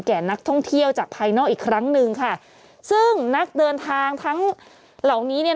แก่นักท่องเที่ยวจากภายนอกอีกครั้งหนึ่งค่ะซึ่งนักเดินทางทั้งเหล่านี้เนี่ย